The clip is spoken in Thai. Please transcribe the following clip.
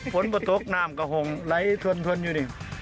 ฝนประตุกน้ำกระหงไหลทนอยู่นี่